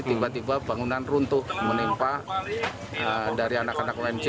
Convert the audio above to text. tiba tiba bangunan runtuh menimpa dari anak anak unc